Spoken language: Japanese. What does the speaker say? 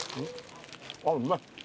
あっうまい。